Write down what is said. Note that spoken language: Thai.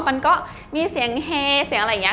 มันก็มีเสียงเฮเสียงอะไรอย่างนี้